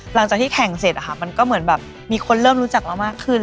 หลังจากที่แข่งเสร็จมันก็เหมือนแบบมีคนเริ่มรู้จักเรามากขึ้น